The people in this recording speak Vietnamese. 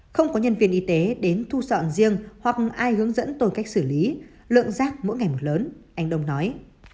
không có nhân viên y tế đến thu dọn riêng hoặc ai hướng dẫn tôi cách xử lý lượng rác mỗi ngày một lớn anh đông nói